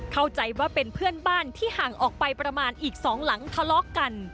เข้าใจว่าเป็นเพื่อนบ้านที่ห่างออกไปประมาณอีกสองหลังทะเลาะกัน